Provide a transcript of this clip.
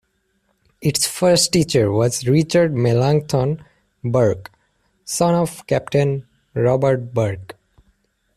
Its first teacher was Richard Melancthon Burke, son of Captain Robert Burke.